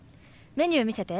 メニュー見せて。